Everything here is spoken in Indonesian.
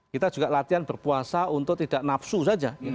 kita juga latihan berpuasa untuk tidak nafsu saja